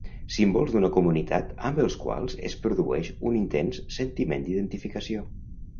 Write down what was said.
Símbols d'una comunitat amb els quals es produeix un intens sentiment d'identificació.